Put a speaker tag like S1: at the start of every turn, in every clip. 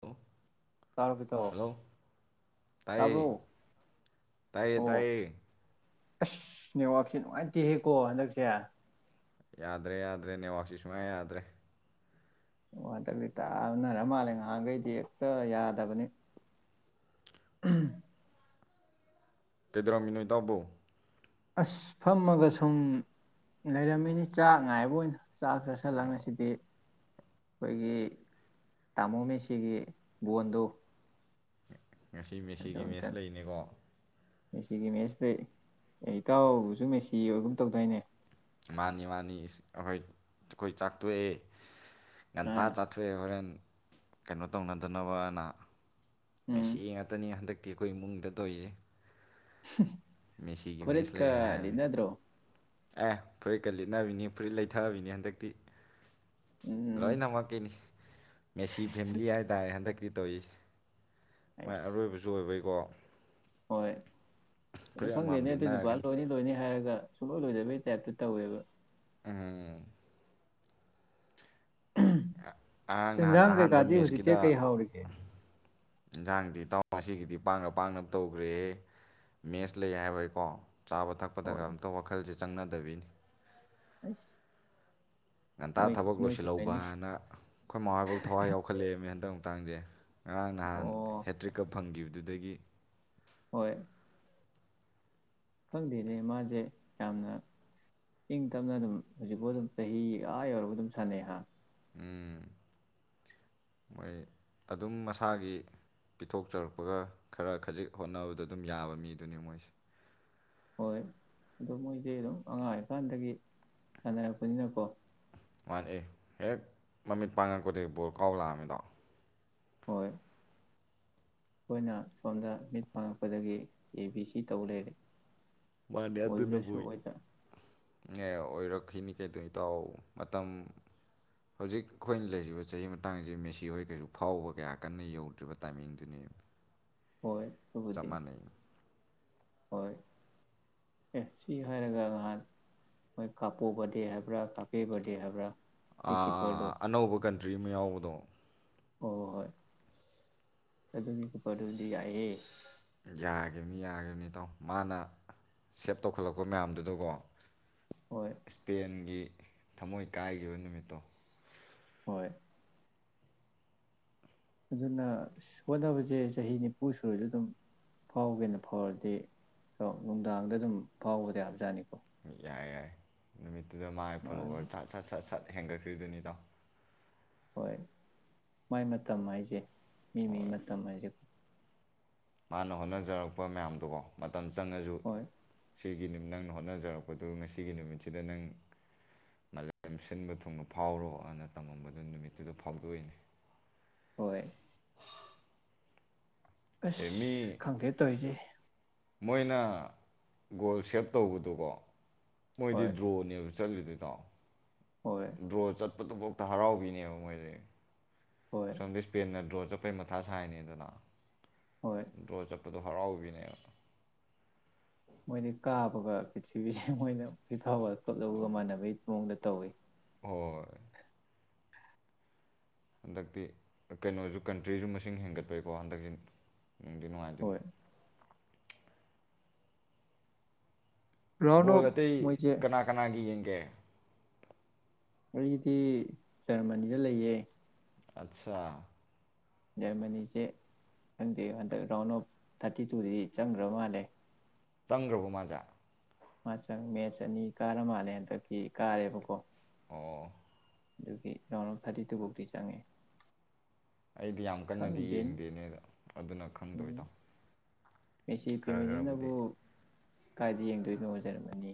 S1: hello
S2: ꯇꯥꯔꯕ ꯏꯇꯥꯎ
S1: hello ꯇꯥꯏꯌꯦ
S2: ꯇꯥꯕ꯭ꯔꯣ
S1: ꯇꯥꯏꯌꯦ
S2: ꯑꯣ
S1: ꯇꯥꯏꯌꯦ
S2: ꯑꯁ ꯅꯦꯠꯋꯥꯛꯁꯦ ꯅꯨꯡꯉꯥꯏꯇꯦꯍꯦꯀꯣ ꯍꯟꯗꯛꯁꯦ
S1: ꯌꯥꯗ꯭ꯔꯦ ꯌꯥꯗ꯭ꯔꯦ ꯅꯦꯋꯥꯛꯁꯤ ꯁꯨꯡꯌꯥ ꯌꯥꯗ꯭ꯔꯦ
S2: ꯋꯥꯗꯕꯤ ꯇꯥꯅꯔ ꯃꯥꯜꯂꯦ ꯉꯥꯏꯍꯥꯛꯈꯩꯗꯤ ꯍꯦꯛꯇ ꯌꯥꯗꯕꯅꯤ
S1: ꯀꯩꯗꯧꯝꯃꯤ ꯅꯣꯏ ꯇꯕꯕꯨ
S2: ꯑꯁ ꯐꯝꯃꯒ ꯁꯨꯝ ꯂꯩꯔꯝꯃꯤꯅꯤ ꯆꯥꯛ ꯉꯥꯏꯕ ꯑꯣꯏꯅ ꯆꯥꯛ ꯆꯥꯁꯤꯜꯂ ꯉꯁꯤꯗꯤ ꯑꯩꯈꯣꯏꯒꯤ ꯇꯥꯃꯣ ꯃꯦꯁꯤꯒꯤ ꯕꯣꯟꯗꯨ
S1: ꯉꯁꯤ ꯃꯦꯁꯤꯒꯤ ꯃꯦꯁ ꯂꯩꯅꯦꯀꯣ
S2: ꯃꯦꯁꯤꯒꯤ ꯃꯦꯠꯁꯇ ꯑꯦ ꯏꯇꯥꯎꯁꯨ ꯃꯦꯁꯤ ꯑꯣꯏꯒꯨꯝ ꯇꯧꯗꯏꯅꯦ
S1: ꯃꯥꯅꯤ ꯃꯥꯅꯤ ꯑꯩꯈꯣꯏ ꯑꯩꯈꯣꯏ ꯆꯥꯛꯇꯣꯛꯑꯦ ꯉꯟꯇꯥ
S2: ꯑꯥ
S1: ꯆꯥꯊꯣꯏꯦ ꯍꯣꯔꯦꯟ ꯀꯩꯅꯣ ꯇꯧꯅꯗꯅꯕꯅ
S2: ꯎꯝ
S1: ꯃꯁꯤ ꯉꯥꯛꯇꯅꯤ ꯍꯟꯗꯛ ꯛꯇꯤ ꯑꯩꯈꯣꯏ ꯏꯃꯨꯡꯗ ꯊꯣꯛꯧꯏꯁꯦ
S2: [unintelligible]
S1: ꯂꯩ ꯍꯥꯏꯔꯕꯅꯤ
S2: ꯐꯨꯔꯤꯠꯀꯂꯤꯅꯗ꯭ꯔꯣ
S1: ꯑꯦ ꯐꯨꯔꯤꯠꯀ ꯂꯤꯠꯅꯕꯤꯅꯤ ꯐꯨꯔꯤꯠ ꯂꯩꯊꯕꯤꯅꯤ ꯍꯟꯗꯛꯇꯤ
S2: ꯎꯝ
S1: ꯂꯣꯏꯅꯃꯛꯀꯤꯅꯤ ꯃꯦꯁꯤ ꯐꯦꯃꯤꯂꯤ ꯍꯥꯏꯇꯥꯔꯦ ꯍꯟꯗꯛꯀꯤ ꯇꯧꯏ ꯃꯥꯏ
S2: ꯑꯩꯁ
S1: ꯑꯔꯣꯏꯕꯁꯨ ꯑꯣꯏꯕꯩ [unintelligible]
S2: ꯍꯣꯏ ꯑꯗꯨ ꯈꯪꯗꯦꯅꯦ ꯑꯗꯨꯏ ꯚꯕꯥ
S1: ꯂꯤꯠꯅꯔꯒꯅꯤ
S2: ꯂꯣꯏꯅꯤ ꯂꯣꯏꯅꯤ ꯍꯥꯏꯔꯒ ꯁꯨꯡꯂꯣꯏ ꯂꯣꯏꯗꯕꯒꯤ ꯇꯥꯏꯞꯇ ꯇꯧꯋꯦꯕ
S1: ꯎꯝ ꯉꯔꯥꯡ ꯅꯍꯥꯟ
S2: ꯆꯦꯟꯁꯥꯡ
S1: ꯑꯍꯥꯟꯕ
S2: ꯀꯩꯀꯥꯗꯤ ꯍꯧꯖꯤꯛꯁꯦ ꯀꯩ ꯍꯥꯎꯔꯤꯒꯦ
S1: ꯏꯟꯁꯥꯡꯗꯤ ꯇꯥꯎ ꯉꯁꯤꯒꯤꯗꯤ ꯄꯥꯛꯅ ꯄꯥꯛꯅ ꯇꯧꯈ꯭ꯔꯦ ꯃꯦꯁ ꯂꯩ ꯍꯥꯏꯕꯩꯀꯣ ꯆꯥꯕ ꯊꯛꯄꯗꯒ
S2: ꯍꯣꯏ
S1: ꯑꯝꯇ ꯋꯥꯈꯜꯁꯦ ꯆꯪꯅꯗꯕꯤꯅꯤ
S2: ꯑꯣꯏ
S1: ꯉꯟꯇꯥ ꯊꯕꯛ ꯂꯣꯏꯁꯤꯜꯍꯧꯕ ꯍꯥꯏꯅ ꯑꯩꯈꯣꯏ ꯃꯃꯥꯕꯧ ꯊꯋꯥꯏ ꯌꯥꯎꯈꯠꯂꯛꯑꯕꯃꯦ ꯍꯟꯇꯪ ꯇꯥꯡꯖꯦ ꯉꯔꯥꯡ ꯅꯍꯥꯟ
S2: ꯑꯣ
S1: ꯍꯦꯇ꯭ꯔꯤꯛꯀ ꯐꯪꯈꯤꯕꯅꯤ ꯑꯗꯨꯗꯒꯤ
S2: ꯍꯣꯏ ꯈꯪꯗꯦꯅꯦ ꯃꯥꯁꯦ ꯌꯥꯝꯅ ꯏꯪ ꯇꯞꯅ ꯑꯗꯨꯝ ꯍꯧꯖꯤꯛꯐꯥꯎ ꯑꯗꯨꯝ ꯆꯍꯤꯒ ꯌꯧꯔꯒ ꯑꯗꯨꯝ ꯁꯥꯟꯅꯩ ꯍꯥꯥꯟ
S1: ꯎꯝ ꯃꯣꯏ ꯑꯗꯨꯝ ꯃꯁꯥꯒꯤ ꯄꯤꯊꯣꯛꯆꯔꯛꯄꯒ ꯈꯔ ꯈꯖꯤꯛ ꯍꯣꯠꯅꯕꯗ ꯑꯗꯨꯝ ꯌꯥꯕ ꯃꯤꯗꯨꯅꯤ ꯃꯣꯏꯁꯦ
S2: ꯍꯣꯏ ꯑꯗꯨ ꯃꯣꯏꯁꯦ ꯑꯗꯨꯝ ꯑꯉꯥꯡ ꯏꯀꯥꯟꯗꯒꯤ ꯁꯥꯟꯅꯔꯛꯄꯅꯤꯅꯀꯣ
S1: ꯋꯥꯟ ꯑꯦ ꯍꯦꯛ ꯃꯃꯤꯠ ꯄꯥꯡꯉꯛꯄꯗꯒꯤ ꯕꯣꯔ ꯀꯥꯎ ꯂꯥꯛꯑꯝꯃꯤꯗꯣ
S2: ꯍꯣꯏ ꯑꯩꯈꯣꯏꯅ ꯁꯣꯝꯗ ꯃꯤꯠ ꯐꯥꯡꯉꯛꯄꯗꯒꯤ ꯑꯦ ꯕꯤ ꯁꯤ ꯇꯧꯕ ꯂꯩꯔꯦ
S1: ꯃꯥꯅꯤ ꯑ
S2: ꯑꯣꯏꯕ꯭ꯔꯁꯨ
S1: ꯑꯗꯨꯟꯅꯕꯨꯣꯏ
S2: ꯑꯣꯏꯗ
S1: ꯑꯦ ꯑꯣꯏꯔꯛꯈꯤꯅꯤ ꯀꯩꯗꯧ ꯏꯇꯥꯎ ꯃꯇꯝ ꯍꯧꯖꯤꯛ ꯑꯩꯈꯣꯏꯅ ꯂꯩꯔꯤꯕ ꯆꯍꯤ ꯃꯇꯥꯡꯁꯦ ꯃꯦꯁꯤ ꯍꯣꯏ ꯀꯩꯁꯨ ꯐꯥꯎꯕ ꯀꯌꯥ ꯀꯟꯅ ꯌꯧꯗ꯭ꯔꯤꯕ ꯇꯥꯏꯃꯤꯡꯗꯨꯅꯤ
S2: ꯍꯣꯏ
S1: ꯆꯞ
S2: ꯑꯗꯨꯕꯨꯗꯤ
S1: ꯃꯅ
S2: ꯍꯣꯏ ꯑꯦ ꯁꯤ ꯍꯥꯏꯔꯒ ꯉꯍꯥꯟ ꯃꯣꯏ ꯀꯥꯞꯄꯨ ꯐꯗꯤ ꯍꯥꯏꯕ꯭ꯔꯥ ꯀꯥꯞꯄꯤꯕꯗꯦ ꯍꯥꯏꯕ꯭ꯔꯥ
S1: ꯑꯥ
S2: ꯋꯤꯛꯀꯤꯄꯔꯗꯣ
S1: ꯑꯥ ꯑꯅꯧꯕꯧꯕ ꯀ ꯗ꯭ꯔꯤꯝ ꯌꯥꯎꯕꯗꯣ
S2: ꯍ ꯍꯣꯏ ꯑꯗꯨꯨꯞꯄꯗꯨꯗꯤ ꯌꯥꯏꯑꯦ
S1: ꯌꯥꯒꯤꯈꯤꯕꯅꯤ ꯌꯥꯈꯤꯕꯅꯤ ꯇꯥꯎ ꯃꯥꯅ ꯁꯦꯞ ꯇꯧꯈꯠꯂꯛꯄ ꯃꯌꯥꯝꯗꯨꯗꯀꯣ
S2: ꯍꯣꯏ
S1: ꯏꯁꯄꯦꯟꯒꯤ ꯊꯃꯣꯏ ꯀꯥꯏꯈꯤꯕ ꯅꯨꯃꯤꯠꯇꯣ
S2: ꯍꯣꯏ ꯑꯗꯨꯅ ꯍꯣꯠꯅꯕꯁꯦ ꯆꯍꯤ ꯅꯤꯐꯨ ꯁꯨꯔꯗ ꯑꯗꯨꯝ ꯐꯥꯎꯒꯦꯅ ꯐꯥꯎꯔꯗꯤ ꯀꯣ ꯅꯨꯡꯗꯥꯡꯗ ꯑꯗꯨꯝ ꯐꯥꯎꯕꯗ ꯌꯥꯕꯖꯥꯠꯅꯤꯀꯣ
S1: ꯑꯥꯏ ꯅꯨꯃꯤꯠ ꯑꯗꯨꯗ ꯃꯥꯒꯤ ꯐꯣꯂꯣꯕꯔꯠ ꯁꯠ ꯁꯠ ꯁꯠ ꯍꯦꯟꯒꯠꯈ꯭ꯔꯤꯗꯨꯅꯤꯗꯣ
S2: ꯍꯣꯏ ꯃꯥꯏ ꯃꯇꯝ ꯍꯥꯏꯁꯦ ꯃꯤ ꯃꯤ
S1: ꯍꯣꯏ
S2: ꯃꯇꯝ ꯍꯥꯏꯁꯦ
S1: ꯃꯥꯅ ꯍꯣꯠꯅꯖꯔꯛꯄ ꯃꯌꯥꯝꯗꯨꯕꯣ ꯃꯇꯝ ꯆꯪꯉꯁꯨ
S2: ꯍꯣꯏ
S1: ꯁꯤꯒꯤ ꯅꯪꯅ ꯍꯣꯠꯅꯖꯔꯛꯄꯗꯨ ꯉꯁꯤꯒꯤ ꯅꯨꯃꯤꯠꯁꯤꯗ ꯅꯪ ꯃꯥꯂꯦꯝ ꯁꯤꯟꯕ ꯊꯨꯡꯅ ꯐꯥꯎꯔꯣꯅ ꯇꯝꯃꯝꯕꯗꯨ ꯅꯨꯃꯤꯠꯇꯨꯗ ꯐꯥꯎꯗꯣꯛꯏꯅꯦ
S2: ꯍꯣꯏ
S1: ꯑꯦ
S2: ꯑꯁ
S1: ꯃꯤ
S2: ꯈꯪꯗꯦ ꯇꯧꯔꯤꯁꯦ
S1: ꯃꯣꯏꯅ ꯒꯣꯜ ꯁꯦꯞ ꯇꯧꯕꯗꯨꯀꯣ ꯃꯣꯏꯗꯤ
S2: ꯍꯣꯏ
S1: ꯗ꯭ꯔꯣꯅꯦꯕ ꯆꯠꯂꯤꯗꯩꯗꯣ
S2: ꯍꯣꯏ
S1: ꯗ꯭ꯔꯣ ꯆꯠꯄꯗꯨꯐꯥꯎꯗ ꯍꯔꯥꯎꯈꯤꯅꯦꯕ ꯃꯣꯏꯗꯒꯤ
S2: ꯍꯣꯏ
S1: ꯁꯗꯤꯁꯁ ꯄꯤꯟꯅ ꯔꯣꯖꯞ ꯑꯄꯩ ꯃꯊꯥ ꯁꯥꯏꯅꯤꯗꯅ
S2: ꯍꯣꯏ
S1: ꯗ꯭ꯔꯣ ꯆꯠꯄꯗꯣ ꯍꯔꯥꯎꯕꯤꯅꯦꯕ
S2: ꯃꯣꯏꯗꯤ ꯀꯥꯕꯒ ꯄꯤꯔꯤꯊꯤꯔꯤꯕꯕꯤꯁꯦ ꯃꯣꯏꯅ ꯐꯥꯎꯕ ꯈꯣꯠꯍꯒ ꯃꯥꯟꯅꯕꯩ ꯃꯑꯣꯡꯗ ꯇꯧꯋꯤ
S1: ꯍꯣꯏ ꯍꯟꯗꯛꯇꯤ ꯀꯩꯅꯣꯁꯨ ꯀꯟꯇ꯭ꯔꯤꯁꯨ ꯃꯁꯤꯡ ꯍꯦꯟꯒꯠꯄꯩꯀꯣ ꯍꯟꯗꯛꯁꯤ ꯎꯗꯤ ꯅꯨꯡꯉꯥꯏꯗꯣꯏꯅꯤ
S2: ꯍꯣꯏ ꯔꯥꯎꯟ
S1: ꯕꯣꯜ
S2: ꯑꯣꯐ
S1: ꯑꯇꯩ
S2: ꯃꯣꯏꯁꯦ
S1: ꯀꯅꯥ ꯀꯅꯥꯒꯤ ꯌꯦꯡ ꯗꯦ
S2: ꯑꯩꯒꯤꯗꯤ ꯖꯔꯃꯅꯤꯗ ꯂꯩꯌꯦ
S1: ꯑꯠꯆꯥ
S2: ꯖꯔꯃꯅꯤꯁꯦ ꯈꯪꯗꯦ ꯍꯟꯗꯛ ꯔꯥꯎꯟ ꯑꯣꯐ ꯊꯥꯔꯇꯤ ꯇꯨꯗꯗꯤ ꯆꯪꯈ꯭ꯔꯕ ꯃꯥꯜꯂꯦ
S1: ꯆꯪꯈ꯭ꯔꯕ ꯃꯥꯖꯥ
S2: ꯃꯥꯆꯪ ꯃꯦꯠꯆ ꯑꯅꯤ ꯀꯥꯔ ꯃꯥꯜꯂꯦ ꯍꯟꯗꯛꯀꯤ ꯀꯥꯔꯦꯕꯀꯣ
S1: ꯑꯣ
S2: ꯑꯗꯨꯒꯤ ꯔꯥꯎꯟ ꯑꯣꯜ ꯊꯥꯔꯇꯤꯗꯨꯨꯕꯨꯥꯎꯤ ꯆꯪꯉꯏ
S1: ꯑꯩꯗꯤ ꯌꯥꯝ ꯀꯟꯅꯗꯤ ꯌꯦꯡꯗꯦꯅꯦꯗ ꯑꯗꯨꯅ
S2: ꯎꯝ
S1: ꯈꯪꯗꯣꯏꯗ
S2: ꯃꯦꯁꯤ
S1: ꯈꯔ ꯈꯔꯕꯨꯗꯤ
S2: ꯐꯦꯃꯤꯂꯤꯅꯕꯨ ꯀꯥꯏꯗ ꯌꯦꯡꯗꯣꯏꯅꯣ ꯑꯣꯏꯖꯔꯝꯃꯅꯤ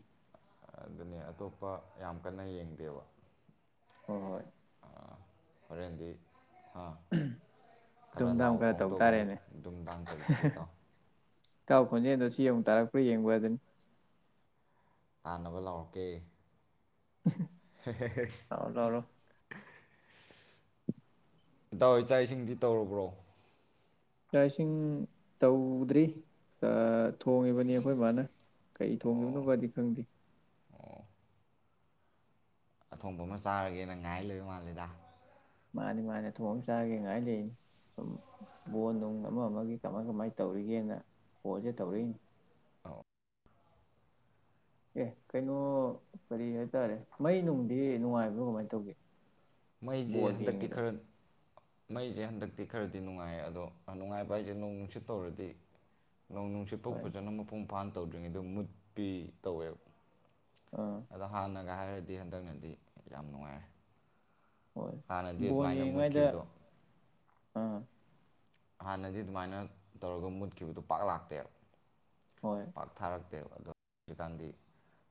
S1: ꯑꯗꯨꯅꯦ ꯑꯇꯣꯞꯄ ꯌꯥꯝ ꯀꯟꯅ ꯌꯦꯡꯗꯦꯕ
S2: ꯍꯣꯏ ꯍꯣꯏ
S1: ꯍꯣꯔꯦꯟꯗꯤ ꯑ ꯈꯔ
S2: ꯗꯨꯝꯗꯥꯝ
S1: ꯂꯥꯎ ꯈꯣꯡ
S2: ꯇꯧ
S1: ꯇꯧꯒꯅꯤ
S2: ꯇꯥꯔꯦꯅꯦ
S1: ꯅꯨꯡꯗꯥꯡ ꯇꯧꯗꯣꯔꯤꯗꯣ
S2: ꯀꯥꯎ ꯈꯣꯟꯖꯦꯜꯗꯣ ꯁꯤ ꯌꯦꯡꯨꯛ ꯇꯥꯔꯛꯄ꯭ꯔꯥ ꯌꯦꯡꯕ ꯑꯗꯨꯅꯤ
S1: ꯇꯥꯟꯅꯕ ꯂꯥꯎꯔꯛꯀꯦ
S2: ꯂꯥꯎꯔꯣ ꯂꯥꯎꯔꯣ
S1: [inaudible] ꯏꯇꯎ ꯏꯆꯥ ꯏꯁꯤꯡꯗꯤ ꯇꯧꯔꯕ꯭ꯔꯣ
S2: ꯆ ꯆꯥꯛ ꯏꯁꯤꯡ ꯇꯧꯗ꯭ꯔꯤ ꯊꯣꯡꯉꯤꯕꯅꯤ ꯑꯩꯈꯣꯏ ꯏ ꯃꯥꯅ ꯀꯩ ꯊꯣꯡꯈꯤꯕꯕꯅꯣꯕꯗꯤ ꯈꯪꯗꯦ
S1: ꯑꯊꯣꯡꯕ ꯑꯃ ꯆꯥꯔꯒꯦꯅ ꯉꯥꯏ ꯂꯩꯣꯏꯕ ꯃꯥꯜꯂꯦꯗ
S2: ꯃꯥꯅꯦ ꯃꯥꯅꯦ ꯊꯣꯡ ꯑꯃ ꯆꯥꯒꯦ ꯉꯥꯏ ꯂꯩꯅꯤ ꯁꯨꯝ ꯕꯣꯣꯟ ꯅꯨꯡ ꯑꯃ ꯑꯃꯒꯤ ꯀꯃꯥꯏ ꯀꯃꯥꯏꯅ ꯇꯧꯔꯤꯒꯦꯅ ꯣꯣꯟꯁꯦ ꯇꯧꯔꯛꯏꯅꯤ ꯑꯦ ꯀꯩꯅꯣ ꯀꯔꯤ ꯍꯥꯏꯇꯥꯔꯦ ꯃꯩ ꯅꯨꯡꯗꯤ ꯅꯨꯡꯉꯥꯏꯕ꯭ꯔꯣ ꯀꯃꯥꯏꯅ ꯇꯧꯒꯦ
S1: ꯃꯩꯁꯦ
S2: ꯕꯣꯜ
S1: ꯍꯟꯗꯛꯇꯤ
S2: ꯌꯦꯡꯉꯤꯗꯣ
S1: ꯈꯔ ꯃꯩꯁꯦ ꯍꯟꯗꯛꯇꯤ ꯈꯔꯗꯤ ꯅꯨꯡꯉꯥꯏ ꯑꯗꯣ ꯅꯨꯡꯉꯥꯏꯕ ꯑꯩꯁꯦ ꯅꯅꯨꯡ ꯅꯨꯡꯁꯤꯠ ꯇꯧꯔꯗꯤ ꯅꯣꯡ ꯅꯨꯡꯁꯤꯠ ꯄꯣꯛ
S2: ꯍꯣꯏ
S1: ꯐꯖꯅ ꯃꯄꯨꯡ ꯏꯝꯐꯥꯥꯟ ꯇꯧꯗ꯭ꯔꯤꯉꯩꯗ ꯃꯨꯠꯄꯤ ꯇꯧꯋꯦꯕ
S2: ꯑꯥ
S1: ꯑꯗ ꯍꯥꯟꯅ ꯒ ꯍꯥꯏꯔꯗꯤ ꯍꯟꯗꯛꯅꯗꯤ ꯌꯥꯝ ꯅꯨꯡꯉꯥꯏꯔꯦ
S2: ꯍꯣꯏ
S1: ꯍꯥꯟꯅꯗꯤ
S2: ꯕꯣꯜ
S1: ꯑꯗꯨꯃꯥꯏꯅ
S2: ꯌꯦꯡꯉꯤꯉꯩꯗ
S1: ꯃꯨꯠꯈꯤꯕꯗꯣ
S2: ꯑꯥ
S1: ꯍꯥꯟꯅꯗꯤ ꯑꯗꯨꯃꯥꯏꯅ ꯇꯧꯔꯒ ꯃꯨꯠꯈꯤꯕꯗꯨꯣ ꯄꯥꯛ ꯂꯥꯛꯇꯦꯕ
S2: ꯍꯣꯏ
S1: ꯄꯥꯛ ꯊꯥꯔꯛꯇꯦꯕ ꯑꯗꯣ ꯍꯧꯖꯤꯛꯀꯥꯟꯗꯤ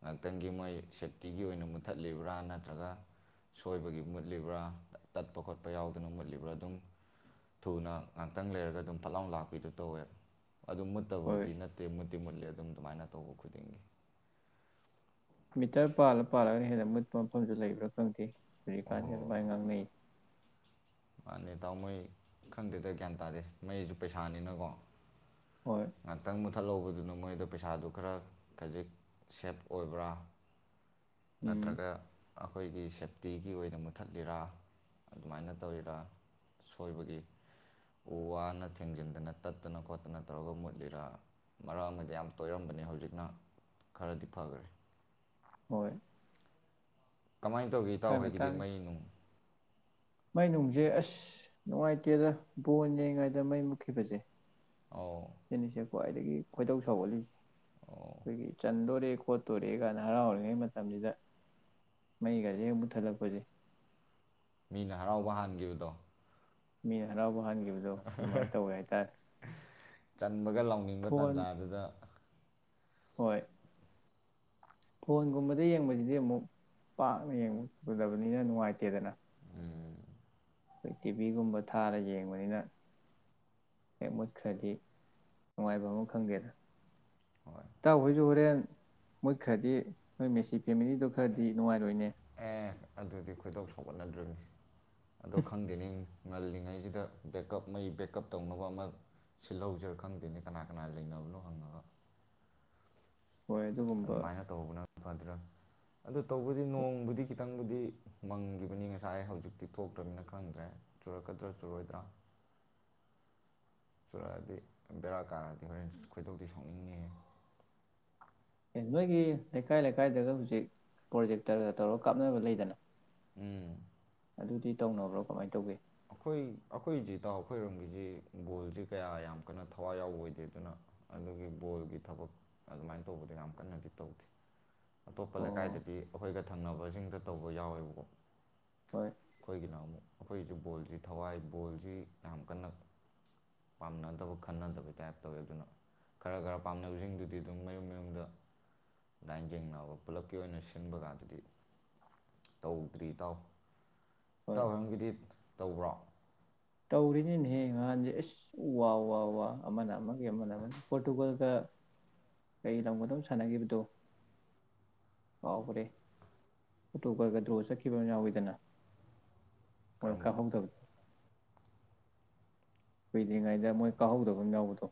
S1: ꯉꯥꯛꯇꯪꯒꯤ ꯃꯣꯏ ꯁꯦꯞꯇꯤꯒꯤ ꯑꯣꯏꯅ ꯃꯨꯠꯊꯠꯂꯤꯕ꯭ꯔꯥ ꯅꯠꯇ꯭ꯔꯒ ꯁꯣꯏꯕꯒꯤ ꯃꯨꯠꯂꯤꯕ꯭ꯔꯥ ꯇꯠꯄ ꯈꯣꯠꯄ ꯌꯥꯎꯗꯅ ꯃꯨꯠꯂꯤꯕ꯭ꯔꯥ ꯑꯗꯨꯝ ꯊꯨꯅ ꯉꯥꯛꯇꯪ ꯂꯩꯔꯒ ꯑꯗꯨꯝ ꯐꯠꯂꯥꯎ ꯂꯥꯛꯄꯤꯗꯨ ꯇꯧꯋꯦ ꯑꯗꯨ
S2: ꯍꯣꯏ
S1: ꯃꯨꯠꯇꯕꯗꯤ ꯅꯠꯇꯦꯨ ꯂꯦ ꯑꯗꯨꯝ ꯑꯗꯨꯃꯥꯏꯅ ꯇꯧꯕ ꯈꯨꯗꯤꯡꯒꯤ
S2: ꯃꯤꯇꯔ ꯄꯥꯜꯂ ꯄꯥꯜꯂꯒꯅ ꯍꯦꯟꯅ ꯃꯨꯠꯄ ꯃꯐꯝꯗꯨ ꯂꯩꯕ꯭ꯔꯥ ꯐꯪꯗꯦ ꯐꯔꯤꯀꯥꯟꯗ
S1: ꯑꯣꯍꯣ
S2: ꯑꯗꯨ ꯃꯥꯏ ꯉꯥꯡꯅꯩ
S1: ꯇꯥꯎ ꯃꯣꯏ ꯈꯪꯗꯦꯗ ꯒ꯭ꯌꯥꯟ ꯇꯥꯗꯦ ꯃꯩꯁꯨ ꯄꯩꯁꯥꯅꯤꯅꯀꯣ
S2: ꯍꯣꯏ
S1: ꯑ ꯇꯥꯡꯃ ꯆꯠꯍꯧꯕꯗꯨꯅ ꯃꯣꯏꯗ ꯄꯩꯁꯥꯗꯨ ꯈꯔ ꯈꯖꯤꯛ ꯁꯦꯞ ꯑꯣꯏꯕ꯭ꯔꯥ
S2: ꯎꯝ
S1: ꯅꯠꯇ꯭ꯔꯒꯥ ꯑꯩꯈꯣꯏꯒꯤ ꯁꯦꯞꯇꯤꯒꯤ ꯑꯣꯏꯅ ꯃꯨꯊꯠꯂꯤꯔꯥ ꯑꯗꯨꯃꯥꯏꯅ ꯇꯧꯔꯤꯔ ꯁꯣꯏꯕꯒꯤ ꯎ ꯋꯥꯅ ꯊꯦꯡꯖꯤꯟꯗꯅ ꯇꯠꯇꯅ ꯈꯣꯠꯇꯅ ꯇꯧꯔꯒ ꯃꯨꯠꯂꯤꯔ ꯃꯔꯛ ꯑꯃꯗꯤ ꯌꯥꯝ ꯇꯣꯏꯔꯝꯕꯅꯤ ꯍꯧꯖꯤꯛꯅ ꯈꯔꯗꯤ ꯐꯈ꯭ꯔꯦ
S2: ꯍꯣꯏ
S1: ꯀꯃꯥꯏꯅ ꯇꯧꯒꯦ ꯏ
S2: ꯁ꯭ꯋꯥꯏ
S1: ꯇꯥꯎꯍꯣꯏꯒꯤꯗꯤ
S2: ꯃꯇꯥꯡ
S1: ꯃꯩ ꯅꯨꯡ
S2: ꯃꯩ ꯅꯨꯡꯁꯦ ꯑꯁ ꯅꯨꯡꯉꯥꯏꯇꯦꯗ ꯕꯣꯟꯅꯦꯉꯥꯏꯗ ꯃꯩ ꯃꯨꯛꯈꯤꯕꯁꯦ
S1: ꯑꯧ
S2: ꯁꯤꯅꯤꯁꯦ ꯈ꯭ꯋꯥꯏꯗꯒꯤ ꯈꯣꯏꯗꯧ ꯁꯥꯎꯒꯠꯂꯤꯁꯦ
S1: ꯑꯣ
S2: ꯑꯩꯈꯣꯏꯒꯤ ꯆꯟꯗꯣꯔꯦ ꯈꯣꯠꯇꯣꯔꯦ ꯀꯥꯏꯅ ꯍꯔꯥꯎ ꯍꯔꯤꯉꯩ ꯃꯇꯝꯁꯤꯗ ꯃꯩꯒꯁꯦ ꯍꯦꯛ ꯃꯨꯊꯠꯂꯛꯄꯁꯦ
S1: ꯃꯤꯅ ꯍꯔꯥꯎꯕ ꯍꯥꯟꯈꯤꯕꯗꯣ
S2: ꯃꯤꯔꯥꯎꯕ ꯍꯅꯤ
S1: ꯆꯟꯕꯒ ꯂꯥꯎꯅꯤꯡꯕ
S2: ꯐꯣꯟ
S1: ꯇꯥꯟꯖꯥꯗꯨꯗ
S2: ꯍꯣꯏ ꯐꯣꯟꯒꯨꯝꯕꯗ ꯌꯦꯡꯕꯁꯤꯗꯤ ꯑꯃꯨꯛ ꯄꯥꯛꯅ ꯌꯦꯡꯕꯒꯗꯕꯅꯤꯅ ꯅꯨꯡꯉꯥꯏꯇꯦꯗꯅ ꯑꯩꯈꯣꯏ ꯇꯤꯚꯤꯒꯨꯝꯕ ꯊꯥꯔ ꯌꯦꯡꯕꯅꯤꯅ ꯍꯦꯛ ꯃꯨꯠꯈ꯭ꯔꯗꯤ ꯅꯨꯡꯉꯥꯏꯕ ꯑꯃ ꯈꯪꯗꯦꯗ
S1: ꯍꯣꯏ
S2: ꯇ ꯍꯧꯁꯨ ꯑꯣꯏꯔꯦ ꯃꯣꯏ ꯈ꯭ꯔꯗꯤ ꯅꯣꯏ ꯃꯦꯁꯤ ꯐꯦꯃꯤꯂꯤꯗꯣ ꯈꯔꯗꯤ ꯅꯨꯡꯉꯥꯏꯔꯣꯏꯅꯦ
S1: ꯑꯦ ꯑꯗꯨꯗꯤ ꯈꯣꯏꯗꯧ ꯁꯧꯒꯠꯅꯗ꯭ꯔꯔꯤꯅꯤ ꯑꯗꯣ ꯈꯪꯗꯦꯅꯤ ꯉꯜꯂꯤꯉꯩꯁꯤꯗ ꯕꯦꯛꯀꯞ ꯃꯩ ꯕꯦꯛꯀꯞ ꯇꯧꯅꯕ ꯑꯃ ꯁꯤꯜꯍꯧꯁꯤꯔ ꯈꯪꯗꯦꯅꯦ ꯀꯅꯥ ꯀꯅꯥ ꯂꯩꯅꯕꯅꯣ ꯍꯪꯉꯕ
S2: ꯍꯣꯏ ꯑꯗꯨꯒꯨꯝꯕ
S1: ꯑꯗꯨꯃꯥꯏꯅ ꯇꯧꯕꯅ ꯐꯥꯗ꯭ꯔꯥ ꯑꯗꯨꯗ ꯇꯧꯕꯗꯤ ꯅꯣꯡꯕꯨꯗꯤ ꯈꯤꯇꯪꯕꯨꯗꯤ ꯃꯪꯈꯤꯕꯅꯤ ꯉꯁꯥꯏ ꯍꯧꯖꯤꯛꯇꯤ ꯊꯣꯛꯇ꯭ꯔꯕꯅꯤꯅ ꯈꯪꯗ꯭ꯔꯦ ꯆꯨꯔꯛꯀꯗ꯭ꯔꯥ ꯆꯨꯔꯣꯏꯗ꯭ꯔꯥ ꯆꯨꯔꯛꯑꯗꯤ ꯕꯦꯔꯥ ꯀꯥꯔꯗꯤ ꯍꯣꯔꯦꯟ ꯈꯣꯏꯗꯧꯗꯤꯤ ꯁꯣꯛꯅꯤꯡꯉꯤ
S2: ꯑꯦ ꯅꯣꯏꯒꯤ ꯂꯩꯀꯥꯏ ꯂꯩꯀꯥꯏꯗꯒ ꯍꯧꯖꯤꯛ ꯄ꯭ꯔꯣꯖꯦꯛꯇꯔꯒ ꯇꯧꯔꯒ ꯀꯥꯞꯅꯕ ꯂꯩꯗꯅ
S1: ꯎꯝ
S2: ꯑꯗꯨꯗꯤ ꯇꯧꯅꯕ꯭ꯔꯣ ꯀꯃꯥꯏꯅ ꯇꯧꯒꯦ
S1: ꯑꯩꯈꯣꯏ ꯑꯩꯈꯣꯏꯖꯤ ꯏꯇꯥꯎ ꯑꯩꯈꯣꯏꯔꯣꯝꯒꯤꯁꯤ ꯕꯣꯜꯁꯤ ꯀꯌꯥ ꯌꯥꯝ ꯀꯟꯅ ꯊꯋꯥꯏ ꯌꯥꯎꯕ ꯑꯣꯏꯗꯦ ꯑꯗꯨꯅ ꯑꯗꯨꯒꯤ ꯕꯣꯜꯒꯤ ꯊꯕꯛ ꯑꯗꯨꯃꯥꯏꯅ ꯇꯧꯕꯗ ꯌꯥꯝ ꯀꯟꯅꯗꯤ ꯇꯧꯗꯦ ꯑꯇꯣꯞꯄ
S2: ꯑꯣ
S1: ꯂꯩꯀꯥꯏꯗꯗꯤ ꯑꯩꯈꯣꯏꯒ ꯊꯝꯅꯕꯁꯤꯡꯗ ꯇꯧꯕ ꯌꯥꯎꯋꯦꯕꯀꯣ
S2: ꯍꯣꯏ
S1: ꯑꯩꯈꯣꯏꯒꯤꯅ ꯑꯃꯨꯛ ꯑꯩꯈꯣꯏꯁꯨ ꯕꯣꯜꯁꯤ ꯊꯋꯥꯏ ꯕꯣꯜꯁꯤ ꯌꯥꯝ ꯀꯟꯅ ꯄꯥꯝꯅꯗꯕ ꯈꯟꯅꯗꯕꯩ ꯇꯥꯏꯞ ꯇꯧꯋꯦ ꯑꯗꯨꯅ ꯈꯔ ꯈꯔ ꯄꯥꯝꯅꯕꯁꯤꯡꯗꯨꯗꯤ ꯑꯗꯨꯝ ꯃꯌꯨꯝ ꯃꯌꯨꯝꯗ ꯑꯗꯨꯗꯥꯥꯏꯟ ꯌꯦꯡꯅꯕ ꯄꯨꯂꯞꯀꯤ ꯑꯣꯏꯅ ꯁꯤꯟꯕ ꯀꯥꯟꯗꯗꯤ ꯇꯧꯗ꯭ꯔꯤ ꯏ ꯇꯥꯎ
S2: ꯍꯣꯏ
S1: ꯇꯧꯐꯝꯒꯤꯗꯤ ꯇꯧꯕ꯭ꯔꯣ
S2: ꯇꯧꯔꯤꯅꯤꯅꯦꯍꯦ ꯅꯍꯥꯟꯁꯦ ꯑꯁ ꯋꯥ ꯋꯥ ꯋꯥ ꯑꯃꯅ ꯑꯃ ꯃꯅ ꯄꯣꯣꯔꯇꯨꯒꯣꯜ ꯀ ꯀꯩ ꯂꯝꯒꯗꯣ ꯁꯥꯟꯅꯈꯤꯕꯗꯣ ꯀꯥꯎꯈ꯭ꯔꯦ ꯑꯣꯛꯇꯣꯕꯔꯒ ꯗ꯭ꯔꯣ ꯆꯠꯈꯤꯕ ꯑꯃ ꯌꯥꯎꯋꯤꯗꯅ ꯃꯣꯏ
S1: ꯀꯔꯝꯕꯅꯣ
S2: ꯀꯥꯍꯨꯝꯗꯕ ꯀꯨꯏꯗ꯭ꯔꯤꯉꯩꯗ ꯃꯣꯏ ꯀꯥꯍꯧꯗꯕ ꯑꯃ ꯌꯥꯎꯕꯗꯣ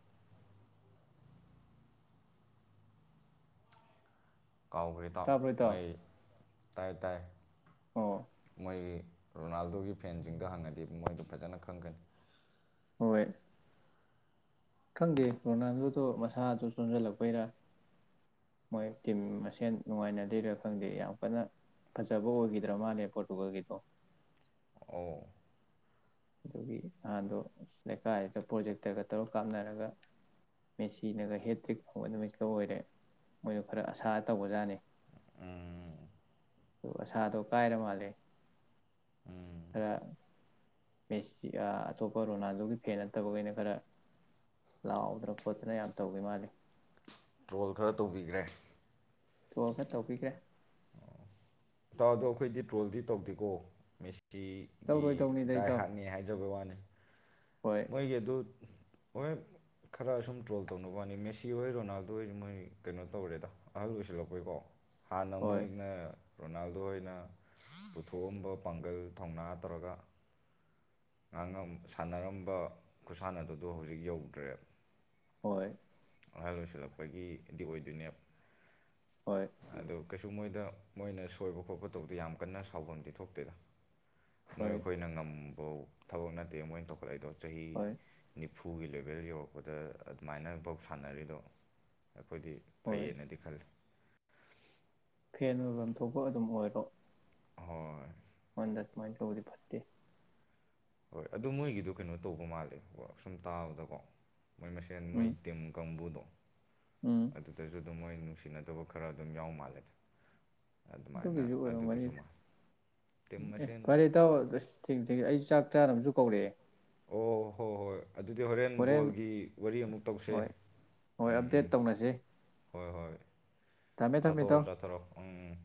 S1: ꯀꯥꯎꯈ꯭ꯦꯗꯥꯎ
S2: ꯇꯥꯕ꯭ꯔꯣ ꯏꯇꯥꯎ
S1: ꯃꯣꯏ ꯇ ꯇꯥꯏ
S2: ꯑꯣ
S1: ꯃꯣꯏꯒꯤ ꯔꯣꯅꯥꯜꯗꯣꯒꯤ ꯐꯦꯟꯁꯤꯡꯗ ꯍꯪꯉꯗꯤ ꯃꯣꯏꯗ ꯐꯖꯅ ꯈꯪꯒꯅꯤ
S2: ꯍꯣꯏ ꯈꯪꯗꯦ ꯔꯣꯅꯥꯜꯗꯣꯗꯣ ꯃꯁꯥꯁꯨ ꯆꯣꯟꯁꯤꯜꯂꯛꯄꯩꯔ ꯃꯣꯏ ꯇꯤꯝ ꯃꯁꯦꯟ ꯅꯨꯡꯉꯥꯏꯅꯗꯣꯏꯔꯥ ꯈꯪꯗꯦ ꯌꯥꯝ ꯀꯟꯅ ꯐꯖꯕ ꯑꯣꯏꯈꯤꯗ꯭ꯔꯥ ꯃꯥꯜꯂꯦ ꯄꯣꯔꯇꯨꯒꯜꯒꯤꯗꯣ
S1: ꯑꯣ
S2: ꯑꯗꯨꯒꯤ ꯅꯍꯥꯟꯗꯣ ꯂꯩꯀꯥꯏꯗꯨꯗ ꯄ꯭ꯔꯣꯖꯦꯛꯇꯒ ꯇꯔ ꯀꯥꯞꯅꯔꯒ ꯃꯦꯆꯤꯟꯅꯒ ꯍꯦꯠꯇ꯭ꯔꯤꯛ ꯐꯪꯕ ꯅꯨꯃꯤꯠꯀ ꯑꯣꯏꯔꯦ ꯃꯣꯏꯗ ꯈꯔ ꯑꯁꯥ ꯇꯧꯕꯖꯥꯠꯅꯤ
S1: ꯎꯝ
S2: ꯑꯗꯨ ꯑꯁꯥꯗꯣ ꯀꯥꯏꯔ ꯃꯥꯜꯂꯦ ꯈꯔ ꯃꯦꯁꯤ ꯑꯇꯣꯞꯄ ꯔꯣꯅꯥꯜꯗꯣꯒꯤ ꯐꯦꯟ ꯅꯠꯇꯕꯈꯩꯅ ꯈꯔ ꯂꯥꯎꯗꯅ ꯈꯣꯠꯇꯅ ꯌꯥꯝ ꯇꯧꯒꯦ ꯃꯥꯂꯦ
S1: ꯇ꯭ꯔꯣꯜ ꯈꯔ ꯇꯧꯕꯤꯈ꯭ꯔꯦ
S2: ꯇꯔꯣꯜ ꯇꯧꯕꯤꯈ꯭ꯔꯦ
S1: ꯇꯥꯎꯗꯣ ꯑꯩꯈꯣꯏꯗꯤ ꯇ꯭ꯔꯣꯜꯗꯤ ꯇꯧꯗꯦꯀꯣ ꯁꯤ ꯒꯤ
S2: ꯇꯧꯔꯣꯏꯗꯧꯅꯤꯗ
S1: ꯗꯥꯏ
S2: ꯏꯇꯥꯎ
S1: ꯍꯥꯔꯠꯅꯤ ꯍꯥꯏꯖꯕꯩ ꯋꯥꯅꯤ
S2: ꯍꯣꯏ
S1: ꯃꯣꯏꯒꯤ ꯑꯗꯨ ꯍꯣꯏ ꯈꯔ ꯁꯨꯝ ꯇ꯭ꯔꯣꯜ ꯇꯧꯅꯕꯅꯤ ꯃꯦꯁꯤ ꯍꯣꯏ ꯔꯣꯅꯥꯜꯗꯣ ꯍꯣꯏ ꯃꯣꯏ ꯀꯩꯅꯣ ꯇꯧꯔꯦꯗ ꯑꯍꯜ ꯑꯣꯏꯁꯤꯜꯂꯛꯄꯩꯀꯣ ꯍꯥꯟꯅ
S2: ꯍꯣꯏ
S1: ꯃꯣꯏꯅ ꯔꯣꯅꯥꯜꯗꯣꯅ ꯄꯨꯊꯣꯛꯑꯝꯕ ꯄꯥꯡꯒꯜ ꯊꯧꯅꯥ ꯇꯧꯔꯒ ꯉꯥꯡꯉ ꯁꯥꯟꯅꯔꯝꯕ ꯈꯨꯠꯁꯥꯟꯅꯗꯨꯗꯣ ꯍꯧꯖꯤꯛ ꯌꯧꯗ꯭ꯔꯦꯕ
S2: ꯍꯣꯏ
S1: ꯍꯜꯂꯣ ꯁꯔ ꯑꯩꯈꯣꯏꯒꯤꯗꯤ ꯑꯣꯏꯗꯣꯏꯅꯦ
S2: ꯍꯣꯏ
S1: ꯑ ꯀꯩꯁꯨ ꯃꯣꯏꯗ ꯃꯣꯏꯅ ꯁꯣꯏꯕ ꯈꯣꯠꯄ ꯇꯧꯕꯗ ꯌꯥꯝ ꯀꯟꯅ ꯁꯥꯎꯐꯝꯗꯤ ꯊꯣꯛꯇꯦꯗ ꯅꯣꯏ
S2: ꯍꯣꯏ
S1: ꯑꯩꯈꯣꯏꯅ ꯉꯝ [unintelligible] ꯊꯕꯛ ꯅꯠꯇꯦ ꯃꯣꯏꯅ ꯇꯧꯈꯠꯂꯛꯏꯗꯣ
S2: ꯍꯣꯏ
S1: ꯆꯍꯤꯅꯤ ꯏꯐꯨꯒꯤ ꯂꯦꯚꯦꯜ ꯌꯧꯔꯛꯄꯗ ꯑꯗꯨꯃꯥꯏꯅ ꯁꯥꯟꯅꯔꯤꯗꯣ ꯑꯩꯈꯣꯏꯗꯤ
S2: ꯍꯣꯏ
S1: ꯐꯩꯌꯦꯅꯗꯤ ꯈꯜꯂꯤ
S2: ꯐꯦꯟ ꯑꯣꯏꯐꯝ ꯊꯣꯛꯄ ꯑꯗꯨꯝ ꯑꯣꯏꯔꯣ
S1: ꯍꯣꯏ
S2: ꯃꯟꯗꯠ ꯃꯥꯏ ꯇꯧꯕꯗꯤ ꯐꯠꯇꯦ
S1: ꯍꯣꯏ ꯑꯗꯨ ꯃꯣꯏꯒꯤꯗ ꯀꯩꯅꯣ ꯇꯧꯕ ꯃꯥꯜꯂꯦ ꯁꯨꯝ ꯇꯥꯕꯗꯀꯣ ꯃꯣꯏ ꯃꯁꯦꯟ
S2: ꯎꯝ
S1: ꯃꯩ ꯇꯤꯝ ꯀꯥꯡꯕꯨꯗꯣ
S2: ꯎꯝ
S1: ꯑꯗꯨꯗꯒꯤ ꯑꯗꯨꯃ ꯃꯣꯏꯅ ꯅꯨꯡꯁꯤꯅꯗꯕ ꯈꯔ ꯑꯗꯨꯝ ꯌꯥꯎ ꯃꯥꯜꯂꯦꯗ ꯑꯗꯨꯃꯥꯏꯅ
S2: ꯑꯗꯨꯒꯤꯁꯨ
S1: ꯑꯗꯨꯒꯤꯁꯨ
S2: ꯑꯣꯏꯔꯝꯒꯅꯤꯗ
S1: ꯃꯥꯜꯂꯦ ꯇꯤꯝ
S2: ꯑꯦ
S1: ꯃꯁꯦꯟ
S2: ꯐꯔꯦ ꯇꯧ ꯑꯗꯨ ꯊꯦꯡ ꯊꯦꯡ ꯑꯩ ꯆꯥꯛ ꯆꯔ ꯑꯃꯁꯨ ꯀꯧꯔꯛꯑꯦ
S1: ꯑꯣ ꯍꯣꯏ ꯍꯣꯏ ꯑꯗꯨꯗꯤ ꯍꯣꯔꯦꯟ ꯕꯣꯜꯒꯤ ꯋꯥꯔꯤ ꯑꯃꯨꯛ ꯇꯧꯁꯦ
S2: ꯍꯣꯏ ꯍꯣꯏ ꯑꯞꯗꯦꯠ
S1: ꯎꯝ
S2: ꯇꯧꯅꯁꯤ
S1: ꯎꯝ
S2: ꯊꯝꯃꯦ ꯊꯝꯃꯦ
S1: ꯆꯥꯊꯔꯣ
S2: ꯏꯇꯥꯎ
S1: ꯆꯥꯊꯔꯣ ꯎꯝ ꯎꯝ